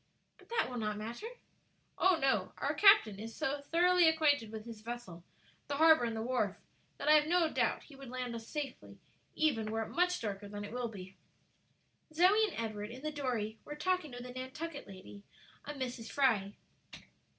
"But that will not matter?" "Oh, no; our captain is so thoroughly acquainted with his vessel, the harbor and the wharf, that I have no doubt he would land us safely even were it much darker than it will be." Zoe and Edward, in the dory, were talking with a Nantucket lady, a Mrs. Fry.